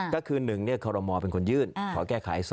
ก็คือ๑คอรมอลเป็นคนยื่นขอแก้ไข๒